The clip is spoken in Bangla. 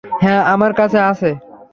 হ্যাঁ, আমার কাছে আছে।